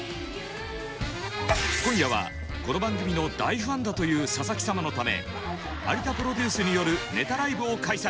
今夜はこの番組の大ファンだという佐々木様のため有田プロデュースによるネタライブを開催。